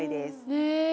へえ。